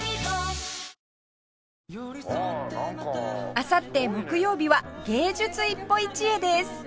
あさって木曜日は芸術一歩一会です